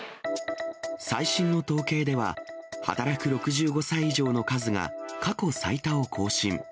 最新の統計では、働く６５歳以上の数が過去最多を更新。